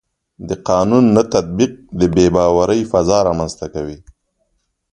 د قانون نه تطبیق د بې باورۍ فضا رامنځته کوي